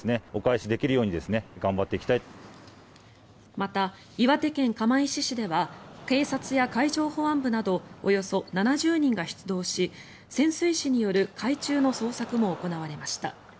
また、岩手県釜石市では警察や海上保安部などおよそ７０人が出動し潜水士による海中の捜索も行われました。